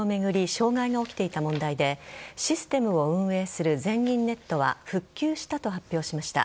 障害が起きていた問題でシステムを運営する全銀ネットは復旧したと発表しました。